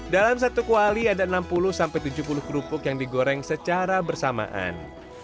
dalam satu kuali ada enam puluh tujuh puluh kerupuk yang digoreng secara bersamaan